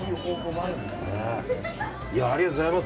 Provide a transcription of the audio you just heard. ありがとうございます。